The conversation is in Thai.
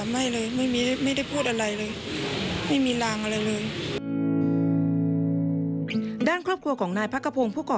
ไม่เลยไม่มีไม่ได้พูดอะไรเลยไม่มีรังอะไรเลย